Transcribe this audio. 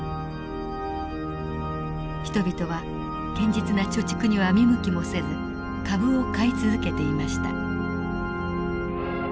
人々は堅実な貯蓄には見向きもせず株を買い続けていました。